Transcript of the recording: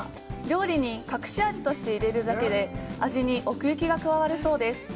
料理に隠し味として入れるだけで味に奥行きが加わるそうです。